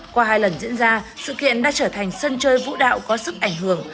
qua hai lần diễn ra sự kiện đã trở thành sân chơi vũ đạo có sức ảnh hưởng